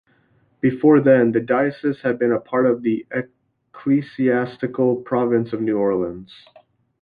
Before then, the diocese had been part of the Ecclesiastical Province of New Orleans.